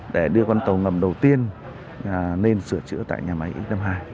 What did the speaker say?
để đưa con tàu ngầm đầu tiên lên sửa chữa tại nhà máy x năm mươi hai